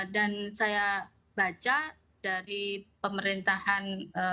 dan saya baca dari pemerintahan